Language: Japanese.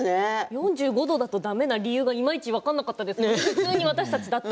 ４５度だとだめな理由がいまいち分からなかったですけれども普通に私たちだと。